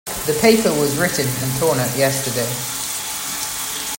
The paper was written and torn up yesterday.